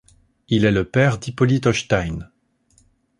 Il est le père d'Hypolite Hostein.